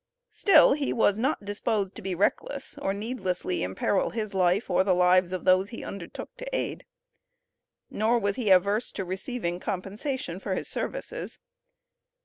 Still, he was not disposed to be reckless or needlessly to imperil his life, or the lives of those he undertook to aid. Nor was he averse to receiving compensation for his services.